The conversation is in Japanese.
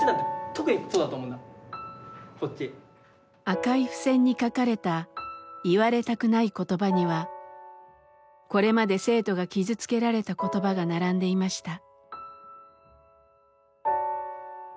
赤い付箋に書かれた「言われたくない言葉」にはこれまで生徒が傷つけられた言葉が並んでいました。